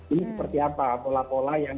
ini seperti apa pola pola yang